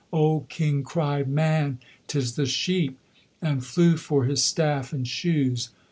Old King cried, "Man, 'tis the sheep!" and flew for his staff and shoes.